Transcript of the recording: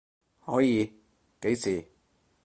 可以，幾時？